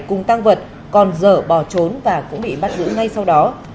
cùng tăng vật còn dở bỏ trốn và cũng bị bắt giữ ngay sau đó